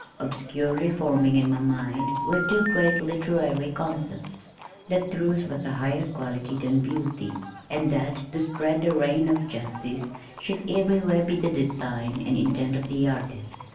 Obscurely forming in my mind were two great literary concepts that truth was a higher quality than beauty, and that to spread the reign of justice should everywhere be the design and intent of the artist.